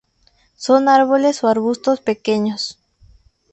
Son árboles o arbustos pequeños.